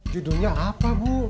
judulnya apa bu